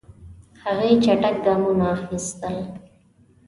هغې چټک ګامونه اخیستل.